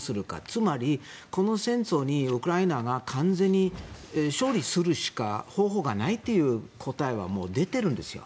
つまり、この戦争にウクライナが完全に勝利するしか方法がないという答えが出ているんですよ。